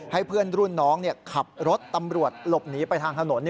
ให้เพื่อนรุ่นน้องขับรถตำรวจหลบหนีไปทางถนน